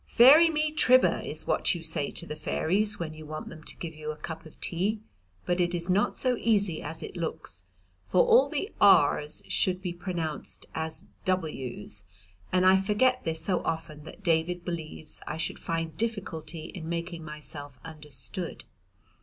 Fairy me tribber is what you say to the fairies when you want them to give you a cup of tea, but it is not so easy as it looks, for all the r's should be pronounced as w's, and I forget this so often that David believes I should find difficulty in making myself understood.